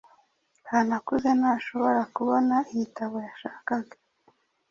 Kanakuze ntashobora kubona igitabo yashakaga.